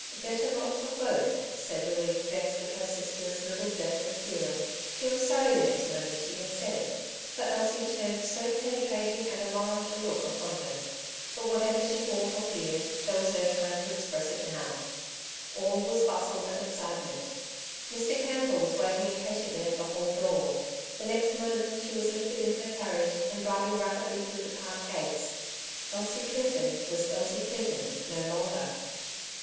'^ Better not for both/' said Lily, vexed at her sister's little depth of feeling. She was sorry the next moment she had said it, The Marriage at Clinton Park, 217 for Elsie turned so penetrating and alarmed a look upon her. But whatever she thought or feared, there was no time to express it now. All was bustle and excitement. Mr. Canthor was waiting impatiently at the hall door. The next moment she was lifted into the carriage and driving rapidly through the park gates. Elsie Clinton was Elsie Clinton no longer.